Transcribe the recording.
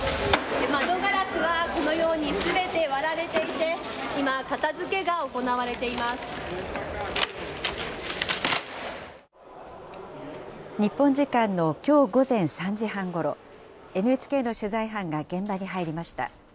窓ガラスはこのようにすべて割られていて、今、片づけが行われて日本時間のきょう午前３時半ごろ、ＮＨＫの取材班が現場に入りました。